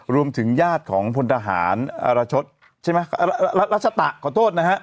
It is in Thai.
รวมถึงญาติของพลทหารอรชดใช่ไหมรัชตะขอโทษนะฮะ